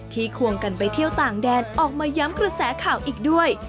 ควงกันไปเที่ยวต่างแดนออกมาย้ำกระแสข่าวอีกด้วย